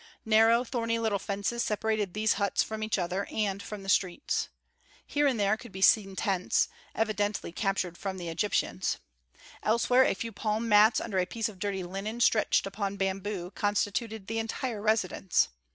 Narrow, thorny little fences separated these huts from each other and from the streets. Here and there could be seen tents, evidently captured from the Egyptians. Elsewhere a few palm mats under a piece of dirty linen stretched upon bamboo constituted the entire residence.